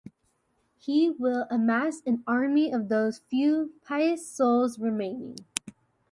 He will amass an army of those few pious souls remaining.